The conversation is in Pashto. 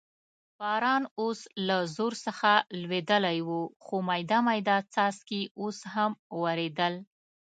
باران اوس له زور څخه لوېدلی و، خو مېده مېده څاڅکي اوس هم ورېدل.